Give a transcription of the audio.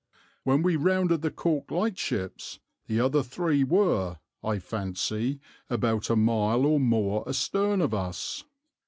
When we rounded the Cork lightships the other three were, I fancy, about a mile or more astern of us.